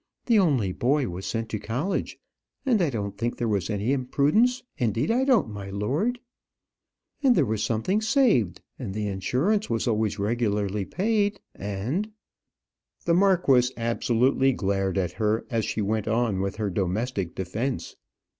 The only boy was sent to college; and I don't think there was any imprudence indeed I don't, my lord. And there was something saved; and the insurance was always regularly paid; and " The marquis absolutely glared at her, as she went on with her domestic defence.